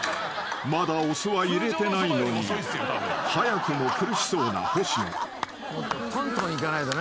［まだお酢は入れてないのに早くも苦しそうなほしの］